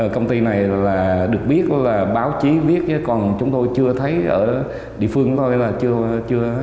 công ty này là được biết là báo chí viết chứ còn chúng tôi chưa thấy ở địa phương thôi là chưa